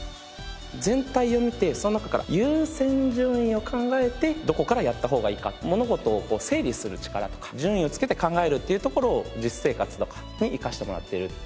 全体を見てその中から優先順位を考えてどこからやった方がいいか物事を整理する力とか順位をつけて考えるっていうところを実生活とかに生かしてもらっている。